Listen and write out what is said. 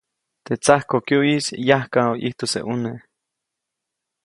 Teʼ tsajkokyuʼyis yajkaʼu ʼijtujse ʼuneʼ.